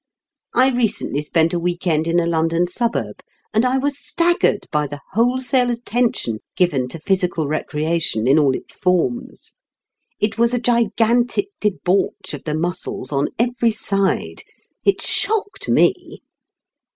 I recently spent a week end in a London suburb, and I was staggered by the wholesale attention given to physical recreation in all its forms. It was a gigantic debauch of the muscles on every side. It shocked me.